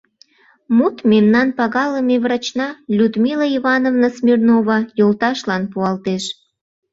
— Мут мемнан пагалыме врачна Людмила Ивановна Смирнова йолташлан пуалтеш.